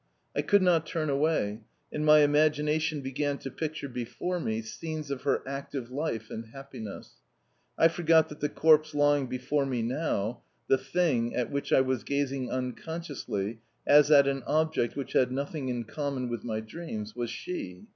I could not turn away, and my imagination began to picture before me scenes of her active life and happiness. I forgot that the corpse lying before me now the THING at which I was gazing unconsciously as at an object which had nothing in common with my dreams was SHE.